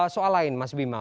soal lain mas bima